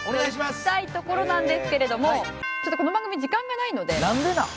いきたいところなんですけれどもちょっとこの番組時間がないので。